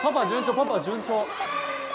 パパ順調！